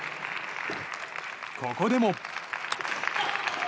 ここでも。